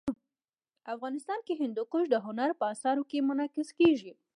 افغانستان کې هندوکش د هنر په اثار کې منعکس کېږي.